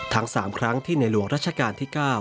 ทั้ง๓ครั้งที่ในหลวงรัชกาลที่๙